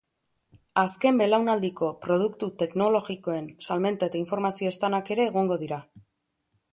Azken belaunaldiko produktu teknologikoen salmenta eta informazio standak ere egongo dira.